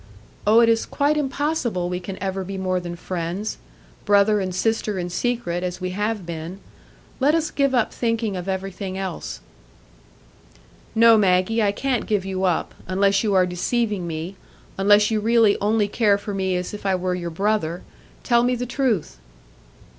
Oh, it is quite impossible we can ever be more than friends,—brother and sister in secret, as we have been. Let us give up thinking of everything else." "No, Maggie, I can't give you up,—unless you are deceiving me; unless you really only care for me as if I were your brother. Tell me the truth."